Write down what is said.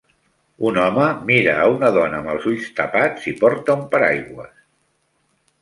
Un home mira a una dona amb els ulls tapats i porta un paraigua.